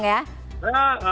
sama aja bohong ya